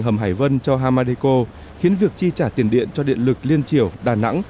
hầm hải vân cho hamadeico khiến việc chi trả tiền điện cho điện lực liên triều đà nẵng